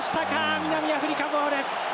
南アフリカボール。